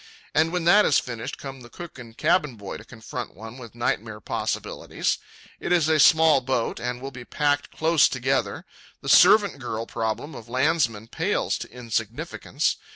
And when that is finished, come the cook and cabin boy to confront one with nightmare possibilities. It is a small boat, and we'll be packed close together. The servant girl problem of landsmen pales to insignificance.